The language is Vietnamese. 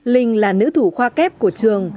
linh là nữ thủ khoa kép của trường